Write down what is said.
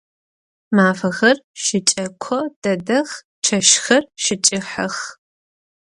Мафэхэр щыкӏэко дэдэх, чэщхэр щыкӏыхьэх.